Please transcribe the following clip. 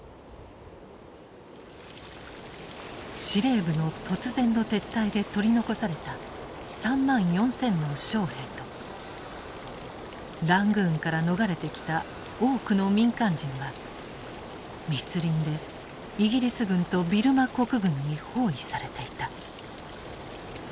司令部の突然の撤退で取り残された３万４，０００の将兵とラングーンから逃れてきた多くの民間人は密林でイギリス軍とビルマ国軍に包囲されていた。